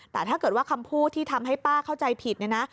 แต่ถ้าเกิดว่าคำพูดที่ทำให้ป้าเข้าใจผิดเนี่ยนะ